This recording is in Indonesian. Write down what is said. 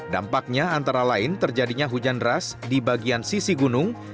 dampaknya antara lain terjadinya hujan deras di bagian sisi gunung